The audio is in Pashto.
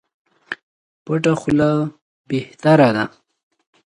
پټه خوله بهتره ده.